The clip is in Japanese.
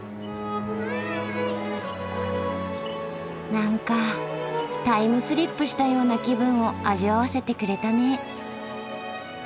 なんかタイムスリップしたような気分を味わわせてくれたね。